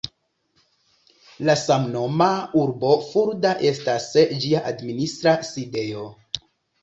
La samnoma urbo Fulda estas ĝia administra sidejo.